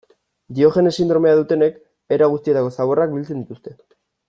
Diogenes sindromea dutenek era guztietako zaborrak biltzen dituzte.